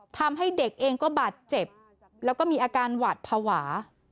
ทำให้เด็กเองก็บาดเจ็บแล้วก็มีอาการหวาดภาวะ